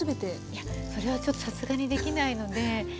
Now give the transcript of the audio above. いやそれはちょっとさすがにできないので。